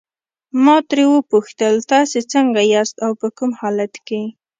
ما ترې وپوښتل تاسي څنګه یاست او په کوم حالت کې.